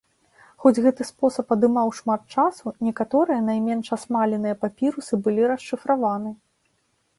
Хоць гэты спосаб адымаў шмат часу, некаторыя найменш асмаленыя папірусы былі расшыфраваны.